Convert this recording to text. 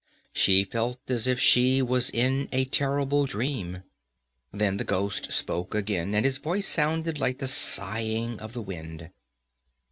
She felt as if she was in a terrible dream. Then the ghost spoke again, and his voice sounded like the sighing of the wind.